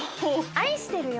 愛してるよ。